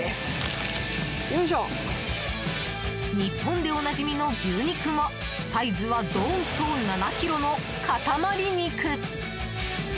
日本でおなじみの牛肉もサイズはドーンと７ｋｇの塊肉。